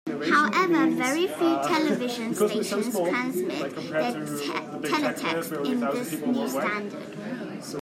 However, very few television stations transmit their teletext in this new standard.